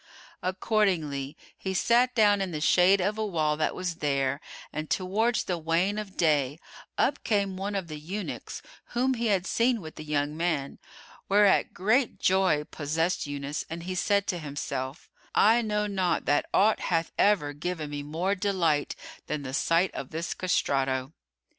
Accordingly he sat down in the shade of a wall that was there, and towards the wane of day, up came one of the eunuchs whom he had seen with the young man, whereat great joy possessed Yunus and he said in himself, "I know not that aught hath ever given me more delight than the sight of this castrato."